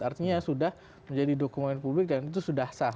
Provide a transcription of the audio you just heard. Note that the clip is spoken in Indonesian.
artinya sudah menjadi dokumen publik dan itu sudah sah